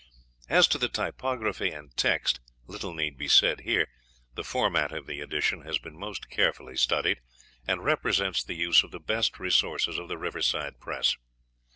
As to the typography and text, little need be said here. The format of the edition has been most carefully studied, and represents the use of the best resources of The Riverside Press.